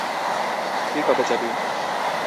তুই কবে যাবি?